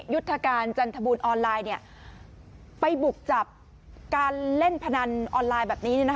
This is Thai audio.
ยุทธการจันทบูรณ์ออนไลน์ไปบุกจับการเล่นพนันออนไลน์แบบนี้